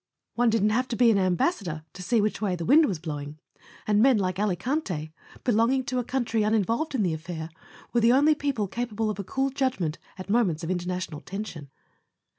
One didn't have to be an Ambassador to see which way the wind was blowing; and men like Alicante, belonging to a country uninvolved in the affair, were the only people capable of a cool judgment at moments of international tension.